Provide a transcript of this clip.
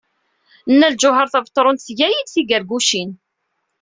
Nna Lǧuheṛ Tabetṛunt tga-iyi-d tigargucin.